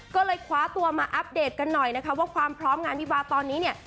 ก็เลยคว้าตัวมาอัปเดตกันหน่อยนะคะว่าความพร้อมงานวิวาตอนนี้เนี่ย